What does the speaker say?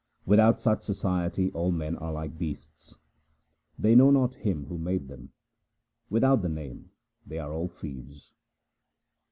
Without such society all men are like beasts. They know not Him who made them ; without the Name they are all thieves.